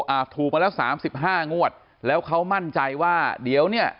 ๓๖อ่าถูกมาแล้ว๓๕งวดแล้วเขามั่นใจว่าเดี๋ยวเนี่ย